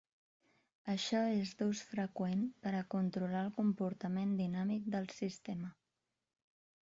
Això és d'ús freqüent per a controlar el comportament dinàmic del sistema.